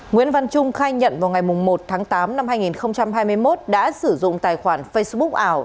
nguyễn văn trung khai nhận vào ngày một tháng tám năm hai nghìn hai mươi một đã sử dụng tài khoản facebook ảo